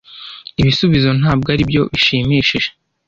Ibisubizo ntabwo aribyo bishimishije.